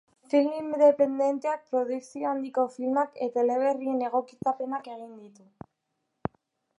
Film independenteak, produkzio handiko filmak eta eleberrien egokitzapenak egin ditu.